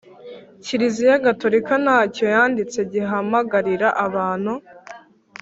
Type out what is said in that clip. kiliziya gatolika ntacyo yanditse gihamagarira abantu